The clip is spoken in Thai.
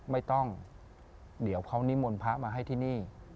ไม่ต้องเดี๋ยวเขานิมนต์พระมาให้ที่นี่